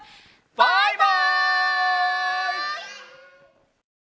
バイバイ！